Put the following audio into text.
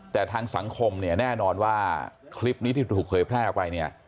แต่ทางสังคมแน่นอนว่าคลิปนี้ที่ถูกเคยแพร่ออกไป